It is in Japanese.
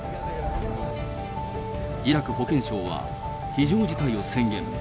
イラク保健省は、非常事態を宣言。